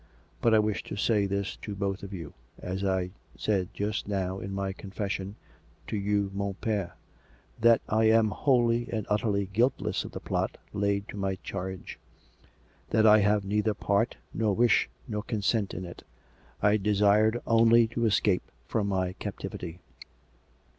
But I wish to say this to both of you — as I said just now in my confession, to you, mon pere — that I am wholly and utterly guiltless of the jjlot laid to my charge; that I had neither part nor wish nor consent in it. I desired only to escape from my captivity.